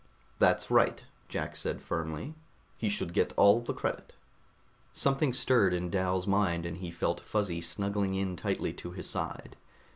"That's right," Jack said firmly. "He should get all the credit." Something stirred in Dal's mind and he felt Fuzzy snuggling in tightly to his side.